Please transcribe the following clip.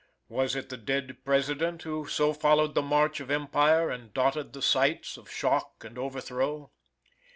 Was it the dead President who so followed the march of empire, and dotted the sites of shock and overthrow?